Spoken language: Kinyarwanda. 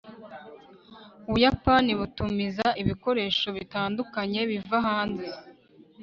ubuyapani butumiza ibikoresho bitandukanye biva hanze